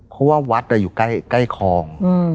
เพราะว่าวัดอยู่ใกล้คลอง